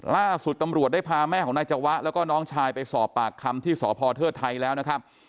ล่าสุดตำรวจได้พาแม่ของนายจวะแล้วก็น้องชายไปสอบปากคำที่สพเทิดไทยแล้วนะครับ